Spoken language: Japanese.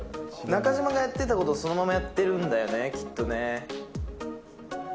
中島がやってたことを、そのままやってるんだよね、きっとね。